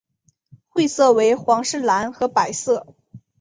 会色为皇室蓝和白色。